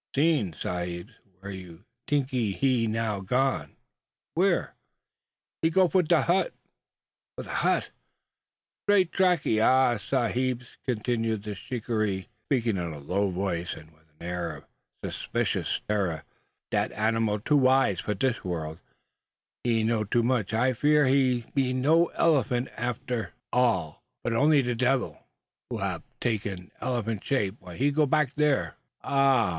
"Seen, sahibs! Where you tinkee he now gone?" "Where?" "Hee go for de hut." "For the hut?" "Straight trackee. Ah, sahibs!" continued the shikaree, speaking in a low voice and with an air of superstitious terror; "dat animal too wise for dis world; he know too much. I fear him be no elephan' after all, but only de devil, who hab takee elephan' shape. Why he go back there?" "Ah!